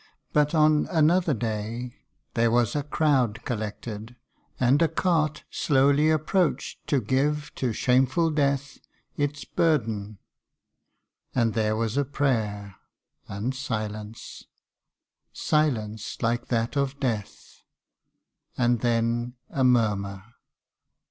But on another day, There was a crowd collected, and a cart Slowly approached to give to shameful death Its burden ; and there was a prayer, and silence, Silence like that of death. And then a murmur